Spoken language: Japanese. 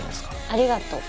ありがとう。